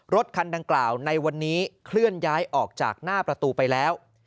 รถคันดังกล่าวในวันนี้เคลื่อนย้ายออกจากหน้าประตูไปแล้ว